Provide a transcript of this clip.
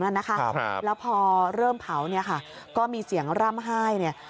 แล้วพอเริ่มเผาก็มีเสียงร่ำไห้